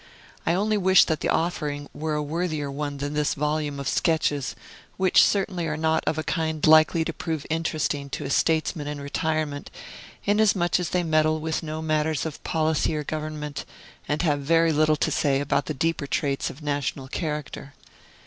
I only wish that the offering were a worthier one than this volume of sketches, which certainly are not of a kind likely to prove interesting to a statesman in retirement, inasmuch as they meddle with no matters of policy or government, and have very little to say about the deeper traits of national character.